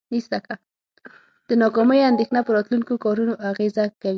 د ناکامۍ اندیښنه په راتلونکو کارونو اغیزه کوي.